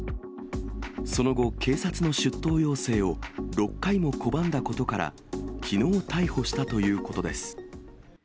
その後、警察の出頭要請を６回も拒んだことから、きのう逮捕したということです。